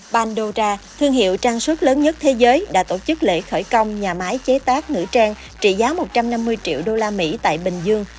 pandora thương hiệu trang sức lớn nhất thế giới đã tổ chức lễ khởi công nhà máy chế tác ngữ trang trị giá một trăm năm mươi triệu đô la mỹ tại bình dương